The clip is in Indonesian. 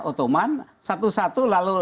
ottoman satu satu lalu